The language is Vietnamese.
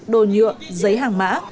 đồ nhựa giấy hàng mã